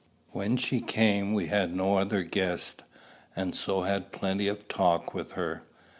When she came we had no other guest, and so had plenty of talk with her.